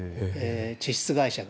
地質会社が。